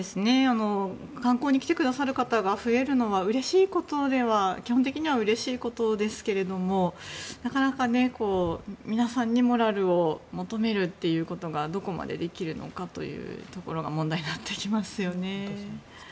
観光に来てくださる方が増えるのは基本的にはうれしいことですがなかなか皆さんにモラルを求めるということがどこまでできるのかというところが問題になってきますよね。